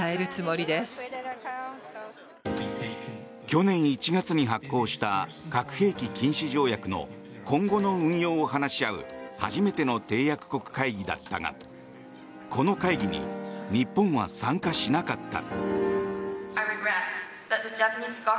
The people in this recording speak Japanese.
去年１月に発効した核兵器禁止条約の今後の運用を話し合う初めての締約国会議だったがこの会議に日本は参加しなかった。